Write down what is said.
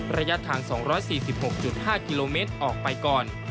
ระยะทาง๒๔๖๕กิโลเมตรออกไปก่อน